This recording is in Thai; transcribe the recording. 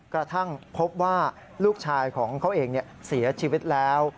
กระทั่งพบว่าลูกชายของเขาเองเสียชีวิตแล้ว